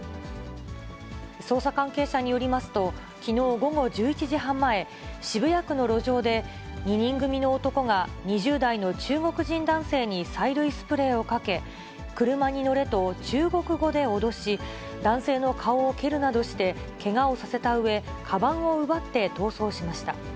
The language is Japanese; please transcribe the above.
捜査関係者によりますと、きのう午後１１時半前、渋谷区の路上で、２人組の男が２０代の中国人男性に催涙スプレーをかけ、車に乗れと中国語で脅し、男性の顔を蹴るなどしてけがをさせたうえ、かばんを奪って逃走しました。